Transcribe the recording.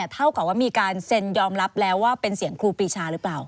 เท่ากับว่ามีการเซ็นยอมรับแล้วว่าเป็นเสียงครูปีชาหรือเปล่า